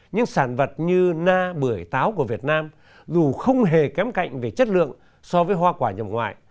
những sản vật như na bưởi táo của việt nam dù không hề kém cạnh về chất lượng so với hoa quả nhập ngoại